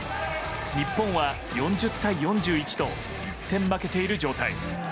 日本は４０対４１と１点負けている状態。